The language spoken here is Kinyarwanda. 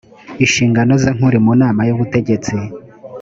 inshingano ze nk uri mu nama y ubutegetsi